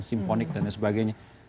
simfonik dan sebagainya